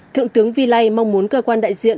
thượng tướng vi lây mong muốn cơ quan đại diện